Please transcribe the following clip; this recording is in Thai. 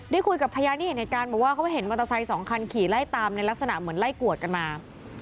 คุยกับพยานที่เห็นเหตุการณ์บอกว่าเขาเห็นมอเตอร์ไซค์สองคันขี่ไล่ตามในลักษณะเหมือนไล่กวดกันมา